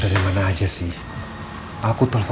ini ga ada apa apa